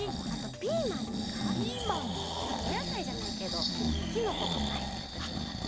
あとおやさいじゃないけどきのことかはいってるときもあった。